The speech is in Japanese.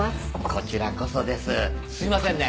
こちらこそですすいませんね